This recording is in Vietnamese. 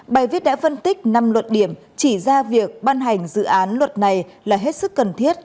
bài viết đã phân tích năm luật điểm chỉ ra việc ban hành dự án luật này là hết sức cần thiết